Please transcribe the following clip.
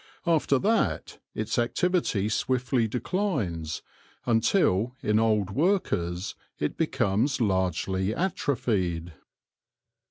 After that its activity swiftly declines, until, in old workers, it becomes largely atrophied.